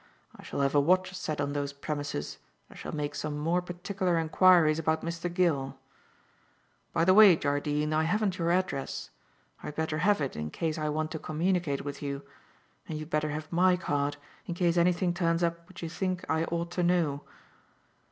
I shall have a watch set on those premises, and I shall make some more particular enquiries about Mr. Gill. By the way, Jardine, I haven't your address. I'd better have it in case I want to communicate with you; and you'd better have my card in case anything turns up which you think I ought to know."